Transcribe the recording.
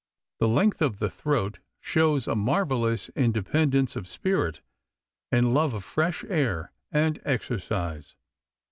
The length of the throat shows a marvelous independence of spirit and love of fresh air and exercise.